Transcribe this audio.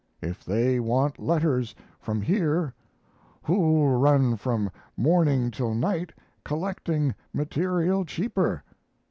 If they want letters from here who'll run from morning till night collecting material cheaper?